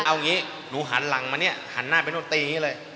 เอางี้หนูหันหลังมาเนี่ยหันหน้าไปนู่นตีอย่างนี้เลย